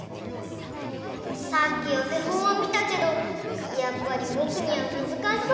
んさっきおてほんをみたけどやっぱりぼくにはむずかしそうだよ。